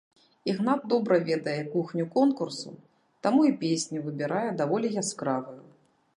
Ігнат добра ведае кухню конкурсу, таму і песню выбірае даволі яскравую.